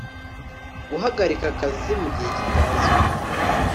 Guhagarika akazi mu gihe kitazwi